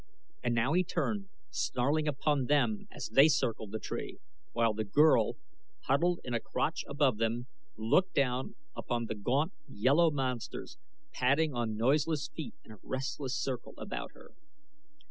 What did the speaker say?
And now he turned snarling upon them as they circled the tree, while the girl, huddled in a crotch above them, looked down upon the gaunt, yellow monsters padding on noiseless feet in a restless circle about her.